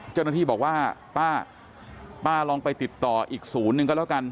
เจ้าหน้าที่บอกว่าป้าป้าลองไปติดต่ออีกศูนย์หนึ่งก็แล้วกัน